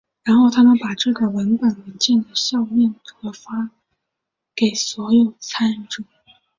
然后他们把这个文本文件和校验和发给所有参与者。